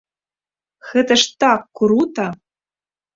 Гэта ж так крута!